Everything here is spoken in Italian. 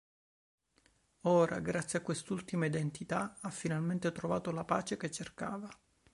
Ora, grazie a quest'ultima identità, ha finalmente trovato la pace che cercava.